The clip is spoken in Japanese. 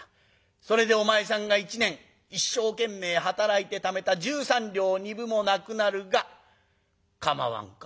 それでお前さんが一年一生懸命働いてためた十三両二分もなくなるが構わんか？